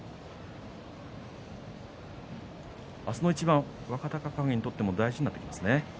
明日の一番、若隆景にとっても大事になってきますね。